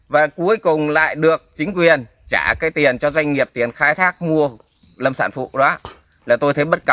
và cuối cùng lại được chính quyền trả cái tiền cho doanh nghiệp tiền khai thác mua lâm sản phụ đó